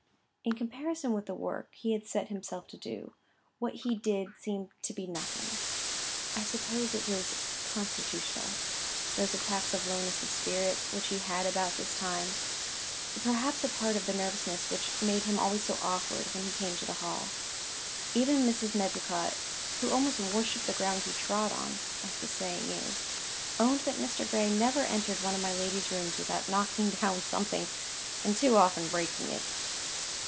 In comparison with the work he had set himself to do, what he did seemed to be nothing. I suppose it was constitutional, those attacks of lowness of spirits which he had about this time; perhaps a part of the nervousness which made him always so awkward when he came to the Hall. Even Mrs. Medlicott, who almost worshipped the ground he trod on, as the saying is, owned that Mr. Gray never entered one of my lady's rooms without knocking down something, and too often breaking it.